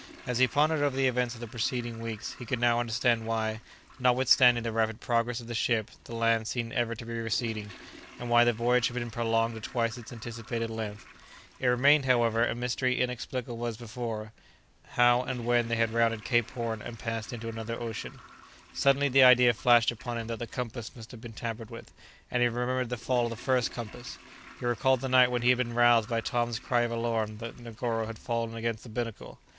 As he pondered over the events of the preceding weeks he could now understand why, notwithstanding the rapid progress of the ship, the land seemed ever to be receding, and why the voyage had been prolonged to twice its anticipated length. It remained, however, a mystery inexplicable as before, how and when they had rounded Cape Horn and passed into another ocean. Suddenly the idea flashed upon him that the compass must have been tampered with; and he remembered the fall of the first compass; he recalled the night when he had been roused by Tom's cry of alarm that Negoro had fallen against the binnacle.